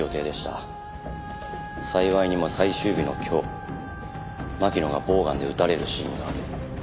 幸いにも最終日の今日巻乃がボウガンで撃たれるシーンがある。